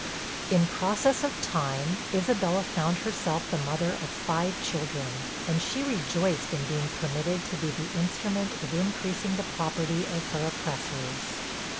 In process of time, Isabella found herself the mother of five children, and she rejoiced in being permitted to be the instrument of increasing the property of her oppressors!